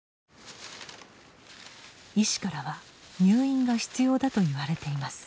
医師からは入院が必要だと言われています。